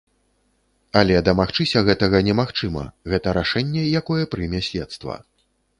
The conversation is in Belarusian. Але дамагчыся гэтага немагчыма, гэта рашэнне, якое прыме следства.